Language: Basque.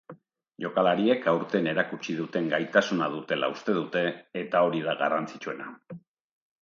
Jokalariek aurten erakutsi duten gaitasuna dutela uste dute eta hori da garrantzitsuena.